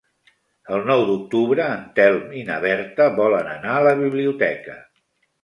El nou d'octubre en Telm i na Berta volen anar a la biblioteca.